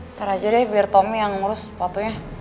ntar aja deh biar tommy yang ngurus sepatunya